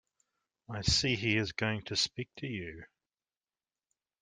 I see he is going to speak to you.